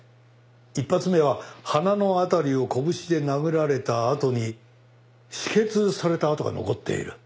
１発目は鼻の辺りを拳で殴られたあとに止血された痕が残っている。